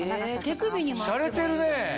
しゃれてるね！